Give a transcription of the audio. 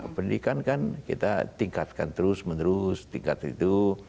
pendidikan kan kita tingkatkan terus menerus tingkat itu